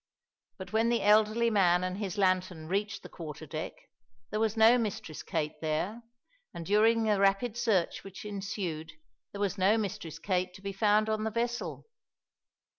But when the elderly man and his lantern reached the quarter deck, there was no Mistress Kate there, and, during the rapid search which ensued, there was no Mistress Kate to be found on the vessel.